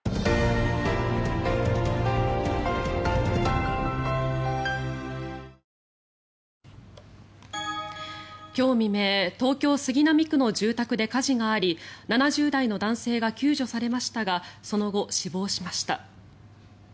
日本は村上選手の逆転サヨナラタイムリーで今日未明東京・杉並区の住宅で火事があり７０代の男性が救助されましたがその後、死亡しました。